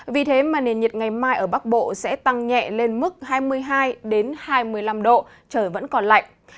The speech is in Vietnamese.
vì thế mà nền nhiệt ngày mai ở bắc bộ sẽ tăng nhẹ lên mức hai mươi hai hai mươi năm độ trời vẫn còn lạnh